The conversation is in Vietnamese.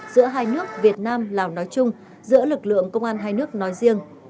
giữa hai nước việt nam lào nói chung giữa lực lượng công an hai nước nói riêng